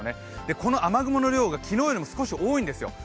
この雨雲の量が昨日よりも少し多いんですよ。